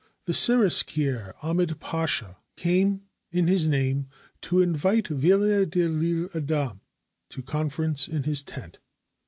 The seraskier Ahmed Pasha came, in his name, to invite Villiers de L'lle Adam to a conference in his tent.